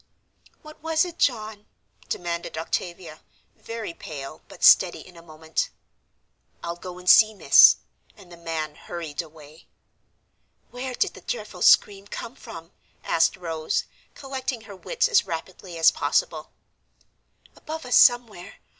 "What was it, John?" demanded Octavia, very pale, but steady in a moment. "I'll go and see, miss." And the man hurried away. "Where did the dreadful scream come from?" asked Rose, collecting her wits as rapidly as possible. "Above us somewhere.